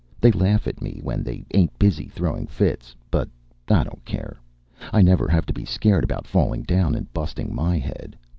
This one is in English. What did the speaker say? They laugh at me, when they ain't busy throwing fits. But I don't care. I never have to be scared about falling down and busting my head.